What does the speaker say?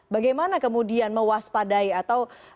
bagaimana kemudian mewaspadai atau